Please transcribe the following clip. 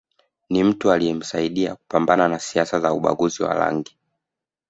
Ni mtu aliyemsaidia kupambana na siasa za ubaguzi wa rangi